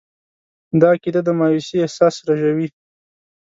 دا عقیده د مایوسي احساس رژوي.